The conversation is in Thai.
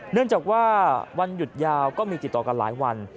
เนื่องจากว่าวันหยุดยาวก็มีติดต่อกันหลายวัน